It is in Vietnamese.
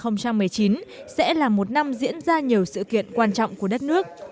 năm hai nghìn một mươi chín sẽ là một năm diễn ra nhiều sự kiện quan trọng của đất nước